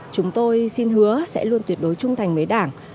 chúng tôi xin hứa sẽ luôn tuyệt đối trung thành với đảng